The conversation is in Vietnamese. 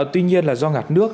tuy nhiên là do ngạt nước